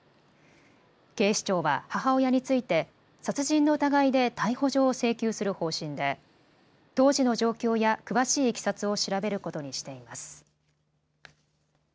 警視庁は母親について殺人の疑いで逮捕状を請求する方針で当時の状況や詳しいいきさつを調べることにしています。